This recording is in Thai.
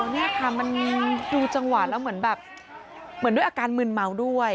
นี่ค่ะมันดูจังหวะแล้วเหมือนแบบเหมือนด้วยอาการมืนเมาด้วย